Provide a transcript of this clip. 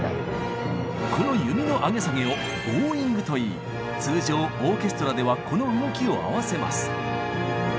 この弓の上げ下げを「ボウイング」といい通常オーケストラではこの動きを合わせます。